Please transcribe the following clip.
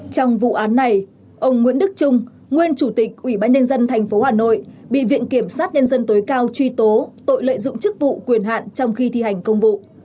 trong vụ án này ông nguyễn đức trung nguyên chủ tịch ủy ban nhân dân tp hà nội bị viện kiểm sát nhân dân tối cao truy tố tội lợi dụng chức vụ quyền hạn trong khi thi hành công vụ